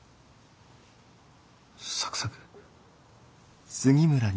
サクサク？